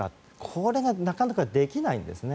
これがなかなかできないんですね。